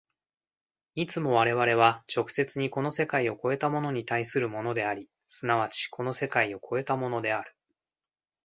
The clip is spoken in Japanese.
いつも我々は直接にこの世界を越えたものに対するものであり、即ちこの世界を越えたものである。